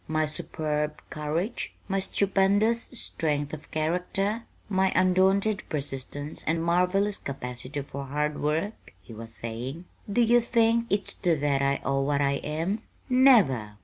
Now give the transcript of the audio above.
My superb courage? My stupendous strength of character? My undaunted persistence and marvelous capacity for hard work?" he was saying. "Do you think it's to that I owe what I am? Never!